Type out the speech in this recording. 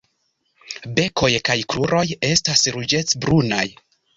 Bekoj kaj kruroj estas ruĝecbrunaj.